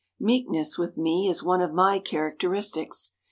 Meekness, with me, is one of my characteristics.